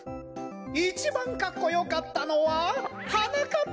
いちばんかっこよかったのははなかっぱくんです！